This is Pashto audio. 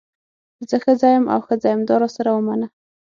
زه ښځه یم او ښځه یم دا راسره ومنه.